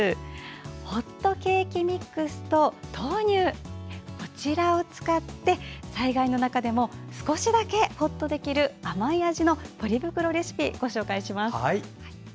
ホットケーキミックスと豆乳を使って災害の中でも少しだけほっとできる甘い味のポリ袋レシピ、ご紹介します。